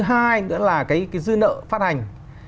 thứ hai nữa là cái dư nợ phát hành